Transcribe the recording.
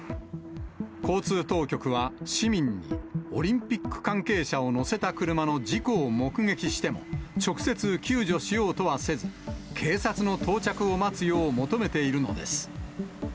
交通当局は、市民に、オリンピック関係者を乗せた車の事故を目撃しても、直接、救助しようとはせず、警察の到着を待つよう求めているのです。